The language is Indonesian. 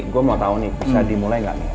gue mau tau nih bisa dimulai nggak nih